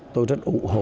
tôi rất ủng hộ